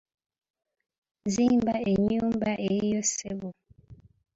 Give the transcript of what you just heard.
Zimba ennyumba eyiyo ssebo.